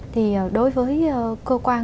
thì đối với cơ quan